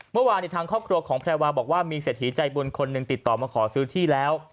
เมื่อวานทางครอบครัวของแพรวาบอกว่ามีเศรษฐีใจบุญคนหนึ่งติดต่อมาขอซื้อที่แล้ว